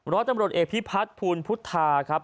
ร้อยตำรวจเอกพิพัฒน์ภูลพุทธาครับ